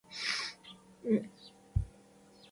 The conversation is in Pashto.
سوفیکس هغه مورفیم دئ، چي د ولي پوري مښتي يي.